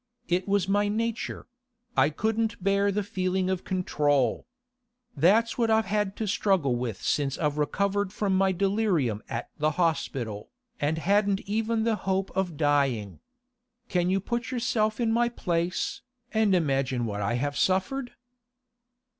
It was my nature; I couldn't bear the feeling of control. That's what I've had to struggle with since I recovered from my delirium at the hospital, and hadn't even the hope of dying. Can you put yourself in my place, and imagine what I have suffered?